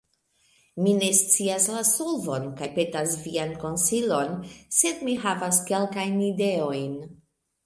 Mi ne scias la solvon, kaj petas vian konsilon, sed mi havas kelkajn ideojn.